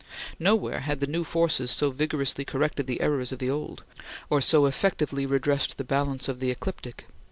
Nowhere had the new forces so vigorously corrected the errors of the old, or so effectively redressed the balance of the ecliptic.